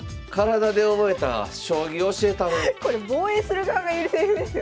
これ防衛する側が言うセリフですよね。